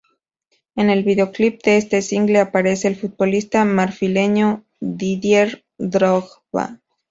En el videoclip de este single aparece el futbolista marfileño Didier Drogba.